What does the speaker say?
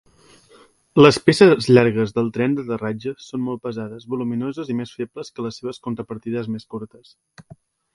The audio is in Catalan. Les peces llargues del tren d'aterratge són molt pesades, voluminoses i més febles que les seves contrapartides més curtes.